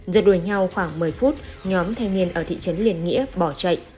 giật đuổi nhau khoảng một mươi phút nhóm thanh niên ở thị trấn liên nghĩa bỏ chạy